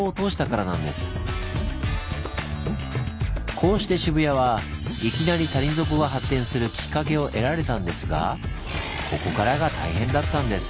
こうして渋谷はいきなり谷底が発展するきっかけを得られたんですがここからが大変だったんです。